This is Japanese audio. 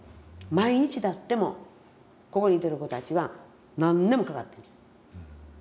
毎日だってもここにいてる子たちは何年もかかってる。